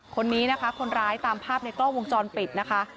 คนนี้นะคะคนร้ายตามภาพในกล้องวงจรปิดนะคะ